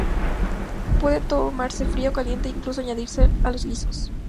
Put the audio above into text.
Puede tomarse fría o caliente, e incluso añadirse a los guisos.